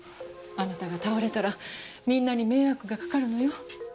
あなたが倒れたらみんなに迷惑がかかるのよ？